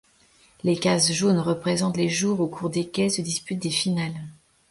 Les cases jaunes représentent les jours au cours desquelles se disputent des finales.